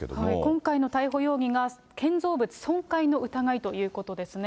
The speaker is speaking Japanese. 今回の逮捕容疑が、建造物損壊の疑いということですね。